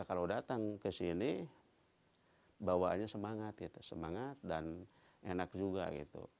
kalau datang ke sini bawaannya semangat gitu semangat dan enak juga gitu